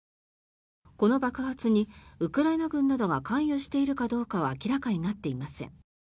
この爆発にウクライナ軍などが関与しているかどうかは明らかになっていません。